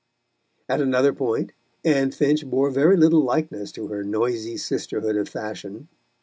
At another point, Anne Finch bore very little likeness to her noisy sisterhood of fashion.